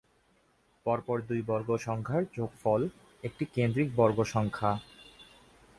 পরপর দুই বর্গ সংখ্যার যোগফল একটি কেন্দ্রিক বর্গ সংখ্যা।